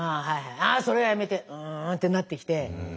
「ああそれはやめて！」ってなってきて。